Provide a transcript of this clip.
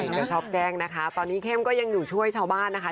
จะชอบแจ้งนะคะตอนนี้เข้มก็ยังอยู่ช่วยชาวบ้านนะคะ